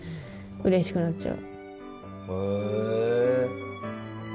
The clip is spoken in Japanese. うれしくなっちゃう。